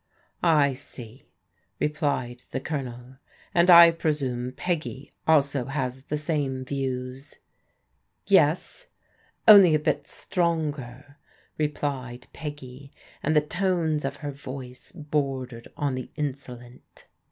"I see," replied the Colonel, "and I presume Peggy also has the same views." "Yes, only a bit stronger," replied Peggy, and the tones of her voice bordered on the insolent.